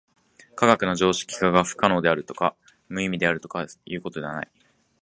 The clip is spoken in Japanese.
科学の常識化が不可能であるとか無意味であるとかということではない。